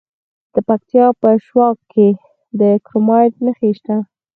د پکتیا په شواک کې د کرومایټ نښې شته.